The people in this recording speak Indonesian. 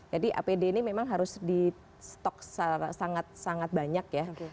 jadi apd ini memang harus di stok sangat sangat banyak ya